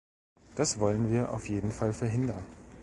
Das wollen wir auf jeden Fall verhindern.